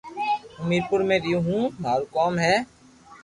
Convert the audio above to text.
ھون ميرپوخاص ۾ رھيو ھون مارو ڪوم ھي